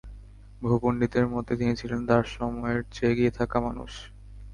বহু পণ্ডিতের মতে, তিনি ছিলেন তাঁর সময়ের চেয়ে এগিয়ে থাকা মানুষ।